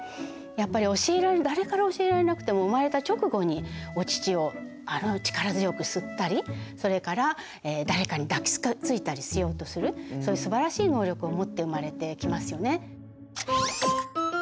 やっぱり誰から教えられなくても生まれた直後にお乳を力強く吸ったりそれから誰かに抱きついたりしようとするそういうすばらしい能力を持って生まれてきますよね。